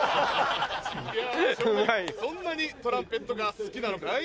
そんなにトランペットが好きなのかい？